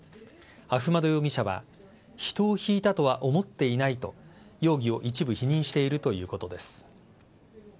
アフマド容疑者は人をひいたとは思っていないと容疑を一部否認しているということです。